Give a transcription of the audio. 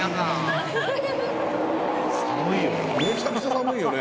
寒いよね。